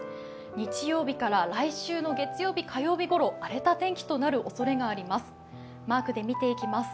日曜日から来週の月曜日、火曜日ごろ荒れた天気となるおそれがあります。